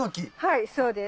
はいそうです。